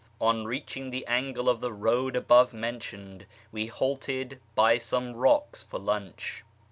On reaching the angle of the road above mentioned we halted by some rocks for lunch.